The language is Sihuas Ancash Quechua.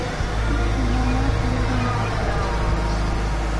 Shipshi mamaa pirurunta uqrashqa.